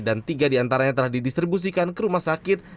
dan tiga di antaranya telah didistribusikan ke rumah sakit